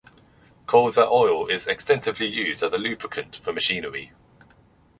Colza oil is extensively used as a lubricant for machinery.